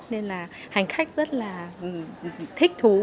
nên là hành khách rất là thích thú